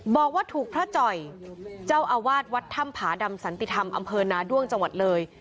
บอกว่าถูกพระจ่อยเจ้าอาวาสวัดถ้ำผาดำสันติธรรมอำเภอนาด้วงจังหวัดเลย